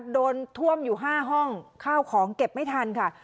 โดนท่วมอยู่๕ห้องข้าวของเก็บไม่ทันค่ะ